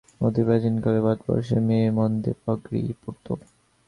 অতি প্রাচীনকালে ভারতবর্ষে মেয়ে-মদ্দে পাগড়ি পড়ত।